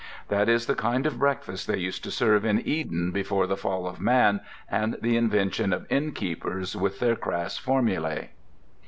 That is the kind of breakfast they used to serve in Eden before the fall of man and the invention of innkeepers with their crass formulae.